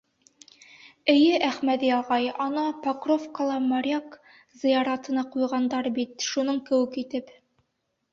— Эйе, Әхмәҙи ағай, ана Покровкала моряк зыяратына ҡуйғандар бит, шуның кеүек итеп.